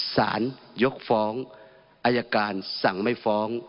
สารยกฟ้องอายการสั่งไม่ฟ้อง